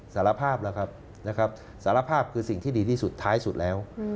สารภาพคือสิ่งที่ดีที่สุดท้ายสุดแล้ว